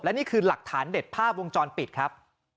นี่คือหลักฐานเด็ดภาพวงจรปิดครับ